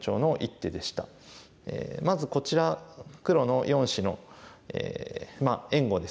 まずこちら黒の４子の援護ですね。